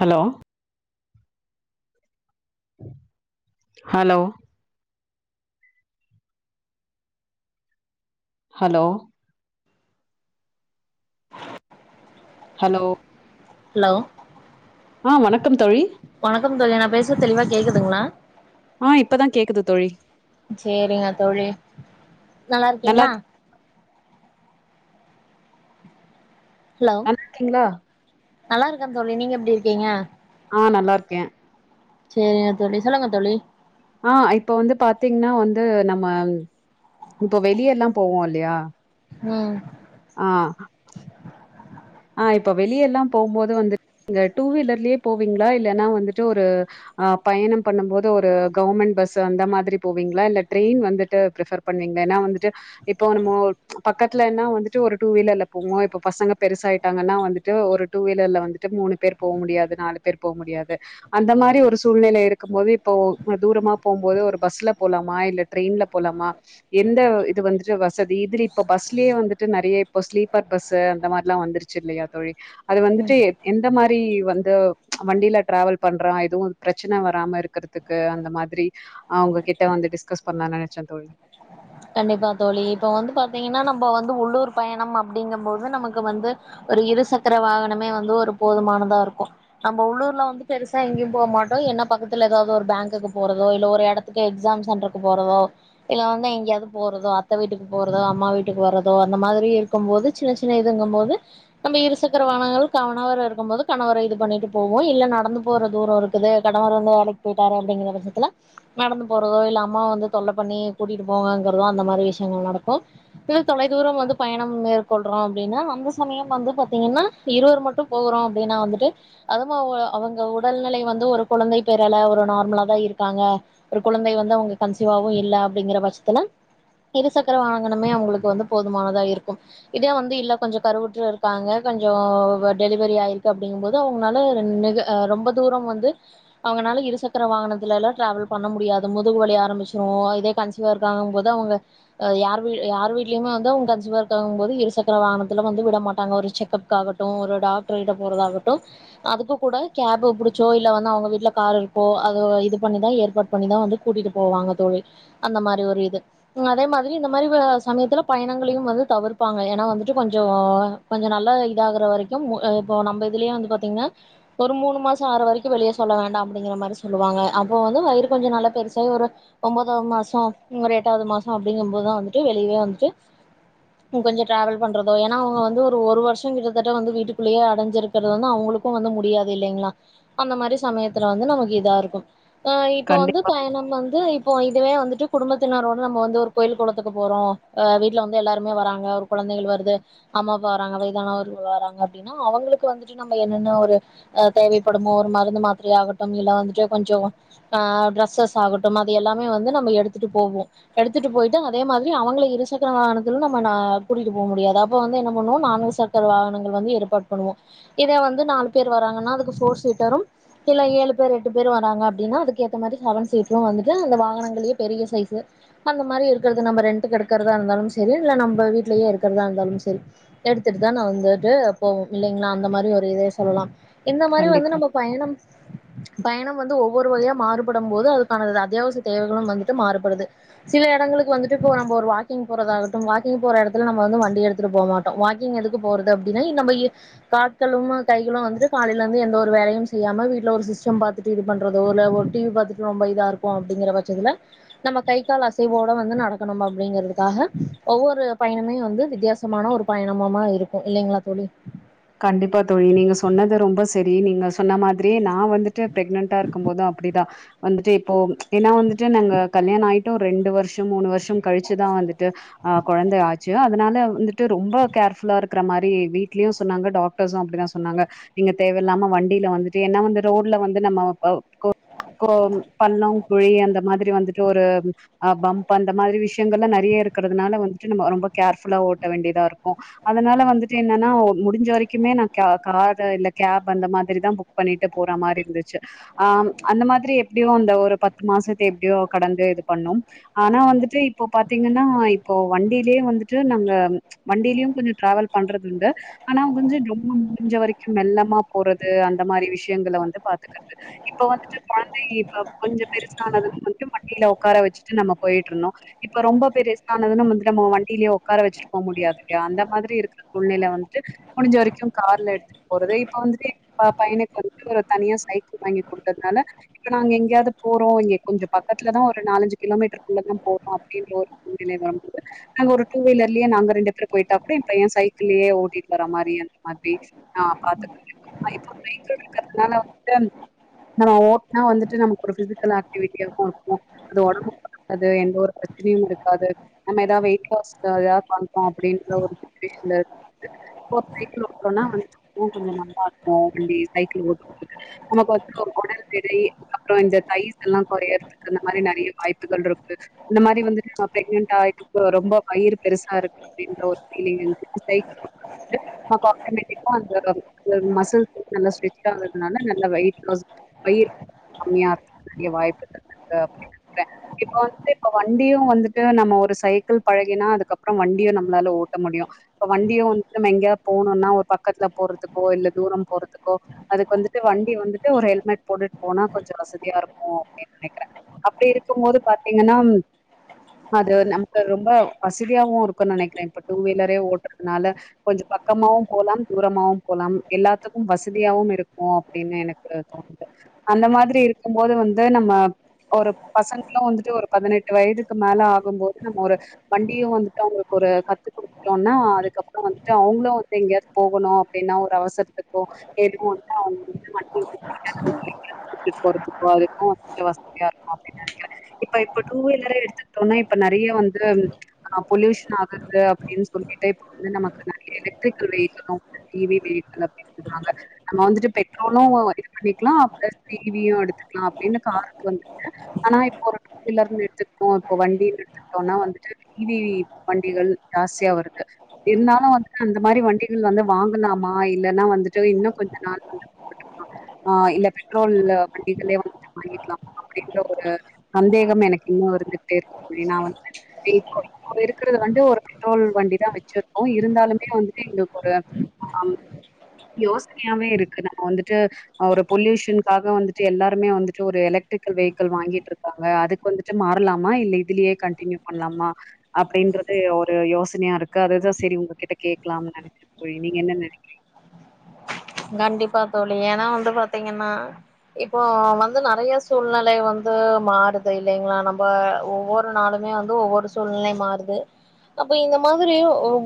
hello hello hello hello hello ஆஹ் வணக்கம் தோழி வணக்கம் தோழி நான் பேசுறது தெளிவா கேக்குதுங்களா ஆ இப்பதா கேக்குது தோழி சரிங்க தோழி நல்லா இருக்கீங்களா ஹலோ நல்லா இருக்கீங்களா நல்லா இருக்கேன் தோழி நீங்க எப்படி இருக்கீங்க ஆஹ் நல்லா இருக்கேன் சரிங்க தோழி சொல்லுங்க தோழி ஆஹ் இப்ப வந்து பாத்தீங்கன்னா வந்து நம்ம இப்போ வெளிய எல்லாம் போவோம் இல்லையா உம் ஆஹ் [inaudible] இப்ப வெளிய எல்லாம் போகும்போது வந்து டூ வீலர்யே போவீங்களா இல்லைன்னா வந்துட்டு ஒரு பயணம் பண்ணும் போது ஒரு கவர்மெண்ட் பஸ் அந்த மாதிரி போவீங்களா இல்ல ட்ரெயின் வந்துட்டு பிரிபர் பண்ணுவீங்களா ஏன்னா வந்துட்டு இப்போ நம்ம பக்கத்துலன வந்துட்டு ஒரு டூ வீலர்ல போவோம் இப்ப பசங்க பெருசு நாங்கன்னா வந்துட்டு ஒரு டூ வீலர்ல வந்துட்டு மூணு பேர் போ முடியாது நாலு பேர் போ முடியாது அந்த மாதிரி ஒரு சூழ்நிலை இருக்கும் போது இப்போ தூரமா போகும் போது ஒரு பஸ்ல போலாமா இல்ல ட்ரெயின்ல போலாமா எந்த இது வந்துட்டு வசதி இதுல இப்ப பஸ்லயே வந்துட்டு நிறைய இப்ப ஸ்லீப்பர் பஸ் அந்த மாரிலாம் வந்துருச்சு இல்லையா தோழி அது ம் வந்துட்டு எந்த மாரி வந்து வண்டியில டிராவல் பண்ற எதுவும் பிரச்சனை வராம இருக்கிறதுக்கு அந்த மாதிரி அவங்ககிட்ட வந்து டிஸ்கஸ் பண்லானு நினைச்சேன் தோழி கண்டிப்பா தோழி இப்ப வந்து பாத்தீங்கன்னா நம்ம வந்து உள்ளூர் பயணம் அப்டிங்கும்பது நமக்கு வந்து ஒரு இருசக்கர வாகனமே வந்து ஒரு போதுமானதா இருக்கும் நம்ம உள்ளூர்ல வந்து பெருசா எங்கேயும் போக மாட்டோம் என்ன பக்கத்துல ஏதாவது ஒரு பேங்க்குக்கு போறதோ இல்ல ஒரு இடத்துக்கு எக்ஸாம் சென்டருக்கு போறதோ இல்ல வந்து எங்கயாவது போறதோ அத்தை வீட்டுக்கு போறதோ அம்மா வீட்டுக்கு வரதோ அந்த மாதிரி இருக்கும் போது சின்ன சின்ன இதுங்கும் போது நம்ம இருசக்கர வானங்கள் கணவர் இருக்கும்போது கணவர இது பண்ணிட்டு போவோம் இல்ல நடந்து போற தூரம் இருக்குது கணவர் வந்து வேலைக்கு போயிட்டாரு அப்டிங்கிற பச்சத்துல நடந்து போறதோ இல்ல அம்மாாவ வந்து தொல்லை பண்ணி கூட்டிட்டு போங் தோ அந்த மாரி விஷயங்கள் நடக்கும் தொலை தூரம் வந்து பயணம் மேற்கொள்றோம் அப்படின்னா அந்த சமயம் வந்து பாத்தீங்கன்னா இருவர் மட்டும் போகறோம் அப்டின்னா வந்துட்டு அதுமா அவங்க உடல்நிலை வந்து ஒரு குழந்தை பேரால ஒரு நார்மலா தான் இருக்காங்க ஒரு குழந்தை வந்து அவங்க கன்சீவாவும் இல் அப்டிங்கிற பட்சத்துல இருசக்கர வாகனமே அவங்களுக்கு வந்து போதுமானதா இருக்கும் இதே வந்து இல்ல கொஞ்சம் கருவுட்டு இருக்காங்க கொஞ்சம் டெலிவரி ஆயிருக்கு அப்பிடிங்கும் போது அவங்கங்களாமிக ரொம்ப தூரம் வந்து அவங்கனால இருசக்கர வாகனத்துல எல்லா டிரவல் பண்ண முடியாது முதுகு வலி ஆரம்பிச்சிரோ இதே கன்சிவா இருக்காங்க போது அவுங்க யாரு யாருவிட்டல அவங்க கன்சிவா இருக்கிங்கனு போது இரு சக்கர வாகனத்தில வந்து விடமாட்டகா ஒரு கேச்ச ஆகட்டும் ஒரு டாக்டர் கிட்ட போறது ஆகட்டும் அதுக்கு கூடு கேப் புடிச்சோ இல்ல அவங்க வீட்டுல கார் இருக்கோ அத இது பன்னிதா ஏற்பாடு பண்ணிதான் வந்து கூட்டிட்டு போவாங்க தோழி அந்த மாரி ஒரு இது அதே மாதிரி இந்த மாதிரி சமயத்துல பயணங்களையும் வந்து தவிர்ப்பாங்க ஏன்னா வந்துட்டு கொஞ்சே கொஞ்சே நல்லா இதாகற வரைக்கும் இப்போ நம்ம இதுலயே வந்து பாத்தீங்கன்னா ஒரு மூணு மாசம் ஆறு வரைக்கும் வெளியே சொல்ல வேண்டாம் அப்டிங்கிற மாதிரி சொல்லுவாங்க அப்போ வந்து வயிறு கொஞ்சம் நல்லா பெருசாகி ஒரு ஒன்பதாவது மாசம் ஒரு எ ஏட்டாவது மாசம் அப்டிங்கும் போதுதான் வந்துட்டு வெளியே வந்துட்டு கொஞ்சம் டிராவல் பண்றதோ ஏன்னா அவங்க வந்து ஒரு ஒரு வருஷம் கிட்டத்தட்ட வந்து வீட்டுக்குள்ளயே அடைஞ்சிருக்கற வந்து அவங்களுக்கும் வந்து முடியாது இல்லைங்களா அந்த மாரி சமயத்துல வந்து நமக்கு இதா இருக்கும் ஆஹ் இப்போ வந்து கண்டிப்பா பயணம் வந்து இப்போ இதுவே வந்துட்டு குடும்ப தனரோட நம்ம வந்து ஒரு கோயில் குளத்துக்கு போறோம் வீட்டுல வந்து எல்லாருமே வராங்க ஒரு குழந்தைகள் வருது அம்மா அப்பா வராங்க வயதானவர்கள் வராங்க அப்படின்னா அவங்களுக்கு வந்துட்டு நம்ம என்னென்ன ஒரு தேவைப்படுமோ ஒரு மருந்து மாத்திரை ஆகட்டும் இல்ல வந்துட்டு கொஞ்சே ஆஹ் டிரஸ்ஸஸ் ஆகட்டும் அது எல்லாமே வந்து நம்ம எடுத்துட்டு போவோம் எடுத்துட்டு போயிட்டு அதே மாதிரி அவங்கள இரு சக்கர வாகனத்துல நம்ம ந கூட்டிகிட்டு போக முடியாது அப்ப வந்து என்ன பண்ணுவோம் நான்கு சக்கர வாகனங்கள் வந்து ஏற்பாடு பண்ணுவோம் இதே வந்து நாலு பேர் வராங்கன்னா அதுக்கு ஃபோர் சீட்டரும் இல்லா ஏழு பேர் எட்டு பேரும் வர ங்க அப்படின்னா அதுக்கேத்த மாதிரி செவன் சீட்டரும் வந்துட்டு அந்த வாகனங்களே பெரிய சைஸ் அந்த மாதிரி இருக்கிறது நம்ம ரெண்ட்டுக்கு எடுக்கிறதா இருந்தாலும் சரி இல்ல நம்ம வீட்லயே இருக்கிறதா இருந்தாலும் சரி எடுத்துட்டுதான் நான் வந்துட்டு போவோம் இல்லைங்களா அந்த மாதிரி ஒரு இதைய சொல்லலாம் இந்த மாதிரி வந்து கண்டிப்பா நம்ம பயணம் பயணம் வந்து ஒவ்வொரு வகையா மாறுபடும் போது அதுக்கானது அத்தியாவசிய தேவைகளும் வந்துட்டு மாறுபடுது சில இடங்களுக்கு வந்துட்டு இப்போ நம்ம ஒரு வாக்கிங் போறதாகட்டும் வாக்கிங் போற இடத்துல நம்ம வந்து வண்டி எடுத்துட்டு போகமாட்டோம் வாக்கிங் எதுக்கு போறது அப்டின்னா நம்ம கால்களும் கைகளும் வந்துட்டு காலையில இருந்து எந்த ஒரு வேலையும் செய்யாம வீட்டுல ஒரு சிஸ்டம் பாத்துட்டு இது பண்றதோ இல்ல ஒரு டிவி பாத்துட்டு ரொம்ப இதா இருக்கும் அப்டிங்கிற பட்சத்துல நம்ம கை கால் அசைவோட வந்து நடக்கணும் அப்டிங்கறிறதுக்காக ஒவ்வொரு பயணமுமே வந்து வித்தியாசமான ஒரு பயணமுமா இருக்கும் இல்லைங்களா தோழி கண்டிப்பா தோழி நீங்க சொன்னது ரொம்ப சரி நீங்க சொன்ன மாதிரி நான் வந்துட்டு பிரெக்னன்டா இருக்கும் போதும் அப்டிதான் வந்துட்டு இப்போ ஏன்னா வந்து ட்டு நாங்க கல்யாணம் அயி ட்டு ரெண்டு வருஷம் மூணு வருஷம் கழிச்சுதான் வந்துட்டு அஹ் குழந்தை ஆச்சு அதனால வந்துட்டு ரொம்ப கேர் ஃபுல்லா இருக்கிற மாரி வீட்லயும் சொன்னாங்க டாக்டர்ஸ அப்டிதான் சொன்னாங்க நீங்க தேவையில்லாம வண்டியில வந்துட்டு என்ன வந்து ரோடுல வந்து நம்ம அ கோ கோ பல்லம் குழி அந்த மாதிரி வந்துட்டு ஒரு பம்ப் அந்த மாதிரி விஷயங்கள் எல்லா நெறைய இருக்கறதுனால வந்துட்டு நம்ம ரொம்ப கேர்ஃபுல்லா ஓட்ட வேண்டியதா இருக்கு அதனால வந்துட்டு என்னன்னா முடிஞ்ச வரைக்குமே நா க காத இல்ல கேப் அந்த மாதிரிதா புக் பண்ணிட்டு போற மாரி இருந்துச்சு ஆம் அந்த மாதிரி எப்டியோ அந்த ஒரு பத்து மாசத்த எப்டியோ கடந்து இது பண்ணோம் ஆனா வந்துட்டு இப்போ பாத்தீங்கன்னா இப்போ வண்டியிலயே வந்துட்டு நாங்க வண்டியிலயு கொஞ்ச டிராவல் பண்றது உண்டு ஆனா கொஞ்சம் [inaudible] முடிஞ்ச வரைக்கு மெல்லமா போறது அந்த மாரி விஷயங்கள வந்து பாத்துக்கிறது இப்ப வந்துட்டு கொழந்தை இப்ப கொஞ்ச பெருசானதுன் மட்டும் வண்டியில உட்கார வச்சிட்டு நம்ம போயிட்டு இருந்தோ இப்ப ரொம்ப பெருசானது நம்ம வளந்துட்டோமோ வண்டியிலேயே உட்கார வச்சிட்டு போ முடியாது இல்லையா அந்த மாதிரி இருக்க சூழ்நிலை வந்து ட்டு முடிஞ்ச வரைக்கு கார்ல எடுத்துட்டு போறது இப்ப வந்துட்டு பையனுக்கு வந்துட்டு ஒரு தனியா சைக்கிள் வாங்கி கொண்டதுனால இப்ப நாங்க எங்கேயாவது போறோ இங்க கொஞ்ச பக்கத்துலதா ஒரு நாலஞ்சி கிலோமீட்டருக்குள்ளதா போறோ அப்டின்ற ஒரு சூழ்நிலை வரும்போது நாங்க ஒரு டூ வீலர்லியே நாங்க ரெண்டு பேர் போயிட்டா கூட ஏ பைய சைக்கிள்ளயே ஓட் வர மாரி அத மாதிரி ஹ [inaudible] நா ஓட்னா வந்துட்டு நமக்கு ஒரு பிசிகள் ஆக்டிவிட்டியாவோ இருக்கு அது உடம்பு [inaudible] எந்த ஒரு பிரச்சனையு இருக்காது நம்ம ஏதாவது வெயிட்லாஸ் ஏதாவது பண்றோ அப்டின்ற ஒரு சுடேஷன்ல அப்போ சைக்கிள் ஒற்றோம்னா கொஞ்ச நல்லா இருக்கும் வண்டி சைக்கிள் ஓட்டு [inaudible] நமக்கு வந்து உடல் எடை அப்புற இந்த ஸைஸ் எல்லா குறையறதுக்கு நெ நெறைய வாய்ப்புகள் இருக்கு இந்த மாரி வந்து ப்ரெக்னன்ட் ஆயதுக்கு ரொம்ப வயிறு பெருசா இருக்கு அப்டின்ற ஒரு பீலிங் இருக்கு சைக்கிள் [unintelligible] ஆட்டோமேட்டிக்கா அந்த மசுல் நல்ல [unintelligible] ஆதுனால [unintelligible] கம்மியா [unintelligible] வாய்ப்பு [unintelligible] இப்ப வந்து இப்ப வண்டியு வந்துட்டு நம்ம ஒரு சைக்கிள் பழகினா அதுக்கப்புற வண்டியு நம்மளால ஓட்ட முடியு இப்ப வண்டியு வந்து நம்ம எங்கேயாவது போணும்னா ஒரு பக்கத்துல போறதுக்கோ இல்ல தூரம் போறதுக்கோ அதுக்கு வந்துட்டு வண்டி வந்துட்டு ஒரு ஹெல்மெட் போட்டுட்டு போனா கொஞ்சம் வசதியா இருக்கு அப்டின்னு நெனைக்கிறே அப்டி இருக்கும் போது பாத்தீங்கன்னா அது நமக்கு ரொம்ப வசதியாவு இருக்கு நெனைக்கிறே இப்ப டூ வீலரே ஓட்டுறதுனால கொஞ்சம் பக்கமாவும் போலாம் தூரமாவும் போலாம் எல்லாத்துக்கும் வசதியாவும் இருக்கும் அப்டின்னு எனக்கு தோணுது அந்த மாதிரி இருக்கும் போது வந்து நம்ம ஒரு பசங்களு வந்துட்டு ஒரு பதினெட்டு வயதுக்கு மேல ஆகும்போது நம்ம ஒரு வண்டியு வந்துட்டு அவங்களுக்கு ஒரு கத்து கொடுக்கலோம்னா அதுக்கப்புற வந்து [unintelligible] அவுங்களும் வந்து எங்காயது போகணு அப்டின்னா ஒரு அவசரத்துக்கோ [unintelligible] கூட்டிட்டு போறத்துக்கோ அதுக்கு வசதியா இருக்கோ அப்டினு நினைக்கிறே இப்ப டூ வீலர் எடுத்துடோனா இப்ப நெறைய வந்து ஹ பொலுயூஷன் ஆகுது அப்டின்னு சொல்லிட்டு இப்ப வந்து நம்ப நறிய எலக்ட்ரிகல் வெஹிக்குளு ஈ வி வெஹிக்குளு அப்டி சொல்றாங்க நம்ம வந்துட்டு பெட்ரோலு இது பண்ணிக்கலா பிளஸ் ஈ வியு எடுத்துக்கலா அப்டின்னு காருக்கு வந்துட்டு ஆனா இப்ப ஒரு சிலர் எடுத்துட்டோ இப்ப வண்டி எடுத்துடோம்னா வந்துட்டு ஈ வி வண்டிகள் ஜாஸ்தியா வருது இருந் [unintelligible] இந்த மாரி வண்டிகள் வந்து வாங்கலாமா இல்லைன்னா வந்துட்டு கொஞ்ச நல்லா [inaudible] ஆஹ் இல்ல பெட்ரோல் வண்டிகளே வந்துட்டு வாங்கிக்கலாமா அப்டின்ற ஒரு சந்தேகம் எனக்கு இன்னு இருந்துட்டே இருக்கு அப்டின்னா நா வந்து [inaudible] இருக்கிறது வந்து ஒரு பெட்ரோல் வண்டி தா வச்சிருக் இருந்தாலுமே வந்து எங்களுக்கு ஒரு யோசனையாவே இருக்கு நம்ப வந்துட்டு பொல்யூஷகாக வந்துட்டு எல்லாருமே வந்துட்டு ஒரு எலக்ட்ரிக்கல் வைஹிக்கல் வாங்கிட்டு இருக்காங்க அதுக்கு வந்துட்டு மாறலாமா இல்ல இதுலயே கண்டினுவ் பண்லாமா அப்டின்றது ஒரு யோசனையா இருக்கு அதுதா செரி உங்க கிட்ட கேட்கலாம்னு நெனைச்ச தோழி நீங்க என்ன நெனைக்கிறீங்க கண்டிப்பா தோலி ஏன்னா வந்து பாத்தீங்கன்னா இப்போ வந்து நெறைய சூழ்நிலை வந்து மாறுது இல்லைங்களா நம்ம ஒவ்வொரு நாளுமே வந்து ஒவ்வொரு சூழ்நிலை மாறுது அப்ப இந்த மாதிரி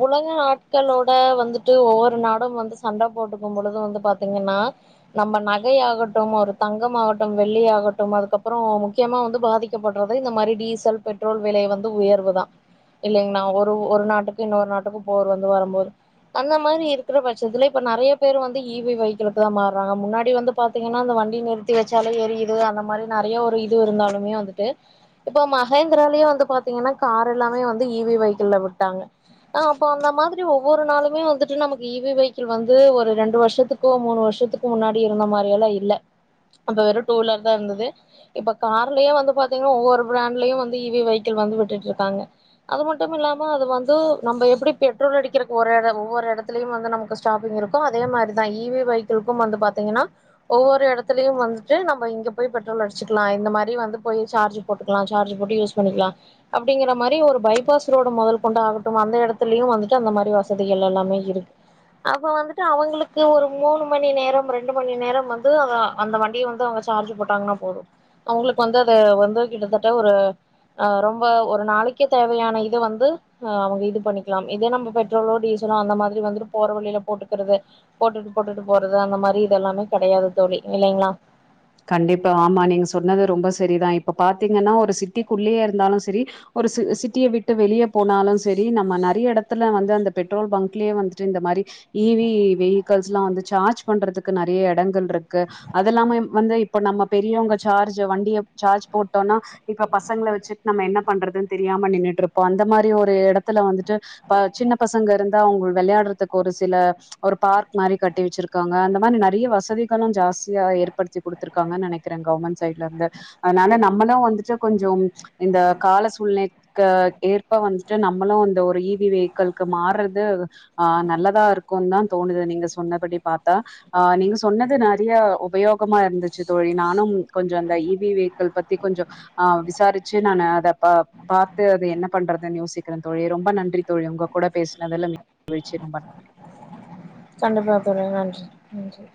உலக நாட்களோட வந்துட்டு ஒவ்வொரு நாடும் வந்து சண்டை போடு ம்போழுது பாத்தீங்கன்னா நம்ம நகை ஆகட்டும் ஒரு தங்கம்மாககட்டும் வெள்ளி ஆகட்டும் அதுக்கப்புற முக்கியமா வந்து பாதிக்கப்படுறது இந்த மாதிரி டீசல் பெட்ரோல் விலை வந்து உயர்வு தா இல்லைங்னா ஒரு ஒரு நாட்டுக்கு இன்னொரு நாட்டுக்கு போர் வந்து வரும்போது அந்த மாரி இருக்கிற பட்சத்துல இப்ப நெறைய பேரு வந்து ஈ வி வெஹிக்களுக்கு தா மாறாங்க முன்னாடி வந்து பாத்தீங்கன்னா அந்த வண்டி நிறுத்தி வச்சாலே ஏரியுது அந்த மாரி நெறைய ஒரு இது இருந்தாலுமே வந்துட்டு இப்ப மகேந்திராலயே வந்து பாத்தீங்கன்னா கார் எல்லாமே வந்து ஈ வி வெஹிக்கிள்ள விட்டாங்க அப்ப அந்த மாதிரி ஒவ்வொரு நாளுமே வந்துட்டு நமக்கு ஈ வி வெஹிக்கிள் வந்து ஒரு இரண்டு வருஷத்துக் கோ மூணு வருஷத்துக்கு முன்னாடி இருந்த மாரியெல்லா இல்ல அப்ப வெறு டூ வீலர் தா இருந்தது இப்ப கார்லயே வந்து பாத்தீங்கன்னா ஒவ்வொரு பிராண்ட்லயு வந்து இவி வெஹிக்கிள் வந்து விட்டுட்டு இருக்காங்க அது மட் டும் இல்லாம அது வந்து நம்ம எப்டி பெட்ரோல் அடிக்கிறதுக்கு ஒரு இட ஒவ்வொரு இடத்துலயு வந்து நமக்கு ஸ்டாபிங் இருக் அதே மாரிதா ஈ வி வெஹிக்குளுக்கும் வந்து பாத்தீங்கன்னா ஒவ்வொரு இடத்துலயு வந்துட்டு நம்ம இங்க போய் பெட்ரோல் அடிச்சுக்கலா இந்த மாரி வந்து போய் சார்ஜ் போட்டுக்கலா சார்ஜ் போட்டு யூஸ் பண்ணிக்கலா அப்டிங்கற மாரி ஒரு பைபாஸ் ரோடு முதல் கொண்டு ஆகட்டும் அந்த இடத்துலயு வந்துட்டு அந்த மாரி வசதிகள் எல்லாமே இருக்கு அப்ப வந்து ட்டு அவங்களுக்கு ஒரு மூணு மணி நேரம் ரெண்டு மணி நேரம் வந்து அந்த வண்டிய வந்து அவுங்க சார்ஜ் போட்டாங்கன்னா போதும் அவங்களுக்கு வந்து அத வந்து கிட்டத்தட்ட ஒரு அஹ் ரொம்ப ஒரு நாளைக்கே தேவையான இத வந்து அவுங்க இது பண்ணிக்கலா இதே நம்ம பெட்ரோலோ டீசலோ அந்த மாரி வந்துட்டு போற வழியில போட்டு றது போட்டுட்டு போட்டுட்டு போறது அந்த மாரி இதெல்லாமே கிடையாது தோலி இல்லைங்களா கண்டிப்பா ஆமா நீங்க சொன்னது ரொம்ப சரிதா இப்ப பாத்தீங்கன்னா ஒரு சிட்டிக்குள்ளயே இருந்தாலு செரி ஒரு சி சிட்டிய விட்டு வெளியே போனாலு செரி நம்ம நறிய எடத்துல வந்து அந்த பெட்ரோல் பங்க்லயே வந்துட்டு இந்த மாரி ஈ வி வெஹிக்கல்ஸ் எல்லா வந்து சார்ஜ் பண்றதுக்கு நறிய எடங்கள் இருக்கு அதெல்லாமே வந்து இப்ப நம்ம பெரியவங்க சார்ஜ் வண்டிய சார்ஜ் போட்டோம்னா இப்ப பசங்கள வச்சுட்டு நம்ம என்ன பண்றதுன்னு தெரியாம நின்னுட்டு இருப்போ அந்த மாரி ஒரு இடத்துல வந்துட்டு சின்ன பசங்க இருந்தா அவுங்க விளையாடுறதுக்கு ஒரு சில ஒரு பார்க் மாரி கட்டி வச்சிருக்காங்க அந்த மாரி நறிய வசதிகளு ஜாஸ்தியா ஏற்படுத்தி குடுத்துருக்காங்கனு நெனைக்கிறே கவர்மெண்ட் சைட்ல இருந்து அதனால நம்மளு வந்துட்டு கொஞ்சம் இந்த கால சூழ்நிலைக்கு ஏற்ப வந்துட்டு நம்மளு இந்த ஒரு ஈ வி வெஹிக்குளுக்கு மாற்றது ஆஹ் நல்லதா இருக்குனு தா தோணுது நீங்க சொன்னபடி பார்த்தா ஹ நீங்க சொன்னது நறிய உபயோக முகமா இருந்துச்சி தோழி நானும் கொஞ்ச அந்த இ வி வெஹிக்கிள் பத்தி கொஞ்ச ஆஹ் விசாரிச்சி நான் அத ப பார்த்து அத என்ன பண்றதுனு யோசிக்கிறே தோழி ரொம்ப நன்றி தோழி உங்க கூட பேசினதுல்ல மகிழ்ச்சி ரொம்ப நன்றி கண்டிப்பா தோலி நன்றி நன்றி